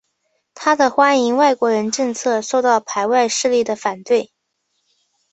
他的欢迎外国人政策受到排外势力的反对。